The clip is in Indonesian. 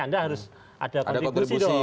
anda harus ada kontribusi dong